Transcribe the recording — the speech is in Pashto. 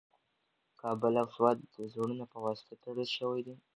کابل او سوات د زړونو په واسطه تړل شوي دي.